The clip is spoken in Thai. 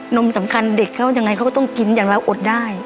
นมสำคัญเด็กเขายังไงเขาก็ต้องกินอย่างเราอดได้